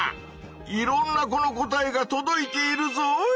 いろんな子の答えがとどいているぞい！